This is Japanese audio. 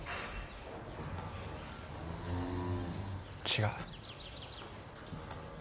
違う